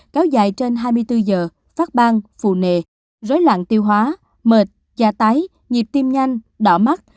kéo dài trên hai mươi bốn giờ phát bang phù nề rối loạn tiêu hóa mệt da tái nhịp tim nhanh đỏ mắt